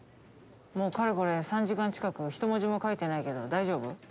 もうかれこれ３時間近くひと文字も書いてないけど大丈夫？